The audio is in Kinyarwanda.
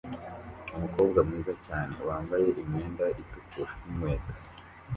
Umukobwa mwiza cyane wambaye imyenda itukura n'inkweto